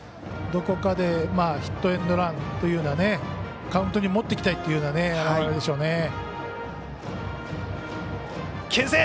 どこかでヒットエンドランというようなカウントに持っていきたいという表れでしょうね。